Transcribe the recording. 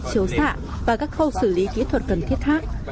chiếu xạ và các khâu xử lý kỹ thuật cần thiết khác